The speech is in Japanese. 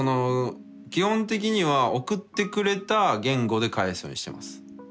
基本的には送ってくれた言語で返すようにしてます。